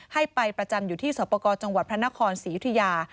ให้ไปประจำอยู่ที่สวปกรจังหวัดพระนครศรียุธยา